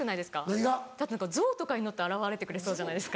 何が？だって何か象とかに乗って現れてくれそうじゃないですか。